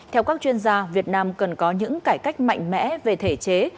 theo các chuyên gia việt nam cần có những cải cách mạnh mẽ về thể chế